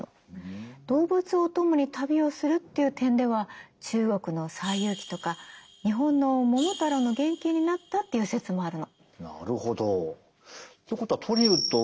動物をお供に旅をするっていう点では中国の「西遊記」とか日本の「桃太郎」の原型になったっていう説もあるの。